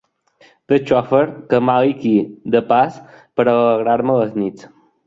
De xofer, camàlic i, de pas, per alegrar-me les nits!